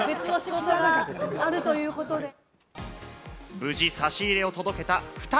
無事差し入れを届けた２人。